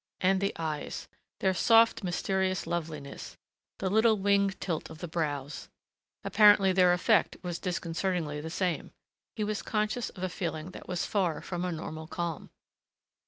And the eyes ! Their soft mysterious loveliness the little winged tilt of the brows! Apparently their effect was disconcertingly the same. He was conscious of a feeling that was far from a normal calm.